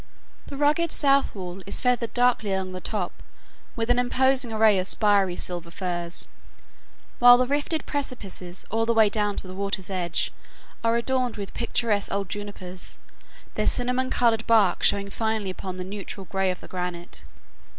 The rugged south wall is feathered darkly along the top with an imposing array of spirey Silver Firs, while the rifted precipices all the way down to the water's edge are adorned with picturesque old junipers, their cinnamon colored bark showing finely upon the neutral gray of the granite.